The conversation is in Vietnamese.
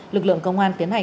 lực lượng công an tiến hành